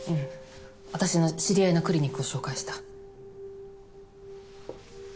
私の知り合いのクリニックを紹介した。